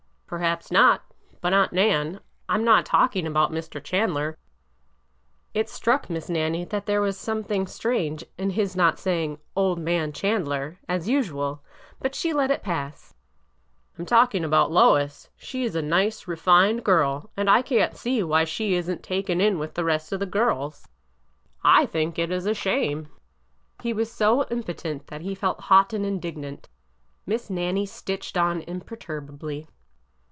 " Perhaps not. But, Aunt Nan, I 'm not talking about Mr. Chandler "— it struck Miss Nannie that there was something strange in his not saying " old man Chandler," as usual, but she let it pass—" I 'm talking about Lois. She is a nice, refined girl, and I can't see why she is n't taken in with the rest of the girls. I think it is a BEVERLY SUPPOSES A CASE 149 shame ! He was so impotent that he felt hot and indignant. Miss Nannie stitched on imperturbably.